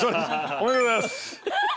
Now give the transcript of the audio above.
おめでとうございます。